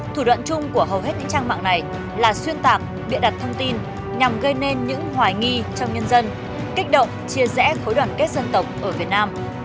thủ đoạn chung của hầu hết những trang mạng này là xuyên tạc bịa đặt thông tin nhằm gây nên những hoài nghi trong nhân dân kích động chia rẽ khối đoàn kết dân tộc ở việt nam